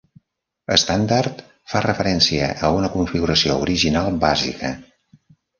Estàndard fa referència a una configuració original bàsica.